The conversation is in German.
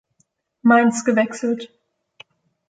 Mainz gewechselt.